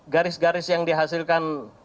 garis garis yang dihasilkan